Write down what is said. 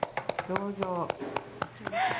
どうぞ。